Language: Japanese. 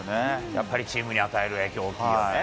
やっぱりチームに与える影響、大きいわね。